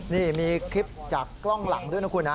นี่มีคลิปจากกล้องหลังด้วยนะคุณนะ